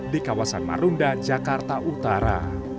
di kawasan marunda jakarta utara